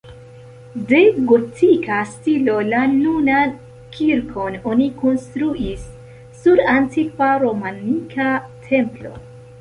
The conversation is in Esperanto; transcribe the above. De gotika stilo, la nunan kirkon oni konstruis sur antikva romanika templo.